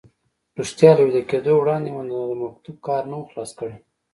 رښتیا له ویده کېدو وړاندې مو د مکتوب کار نه و خلاص کړی.